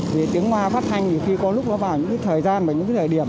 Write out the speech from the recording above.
thì tiếng loa phát thanh thì khi có lúc nó vào những thời gian và những thời điểm